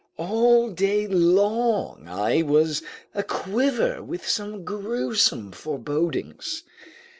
All day long I was aquiver with gruesome forebodings.